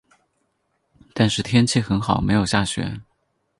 但是天气很好没有下雪